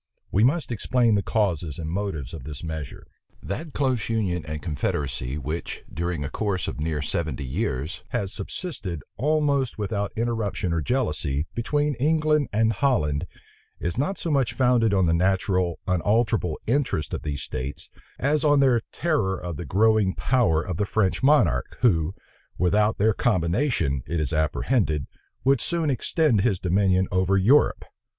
We must explain the causes and motives of this measure. That close union and confederacy which, during a course of near seventy years, has subsisted, almost without interruption or jealousy, between England and Holland, is not so much founded on the natural, unalterable interests of these states, as on their terror of the growing power of the French monarch, who, without their combination, it is apprehended, would soon extend his dominion over Europe.